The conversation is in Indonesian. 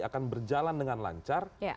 akan berjalan dengan lancar